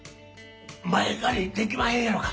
前借りできまへんやろか？